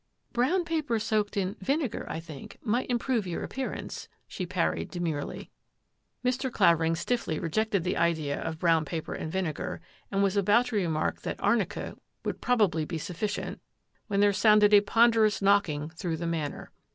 " Brown paper soaked in — vinegar, I think, might improve your appearance," she parried demurely. Mr. Clavering stiffly rejected the idea of brown paper and vinegar, and was about to remark that arnica would probably be sufficient when there sounded a ponderous knocking through the Manor.